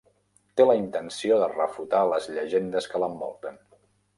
Té la intenció de refutar les llegendes que l'envolten.